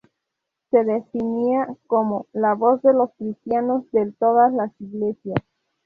Se definía como "la voz de los cristianos de todas las iglesias".